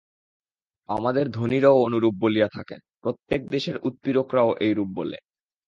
আমাদের ধনীরাও অনুরূপ বলিয়া থাকেন, প্রত্যেক দেশের উৎপীড়করাও এইরূপ বলে।